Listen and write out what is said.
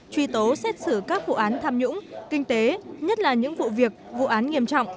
truy tố xét xử các vụ án tham nhũng kinh tế nhất là những vụ việc vụ án nghiêm trọng